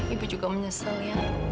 ibu juga menyesal ya